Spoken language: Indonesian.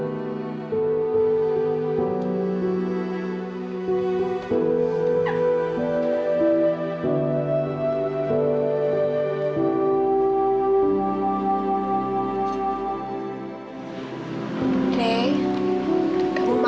kamu jadi istri aku ma